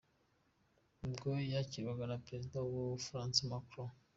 Ubwo yakirwaga na Perezida w’Ubufaransa "Macron".